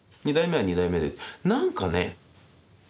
二代目は二代目で何かね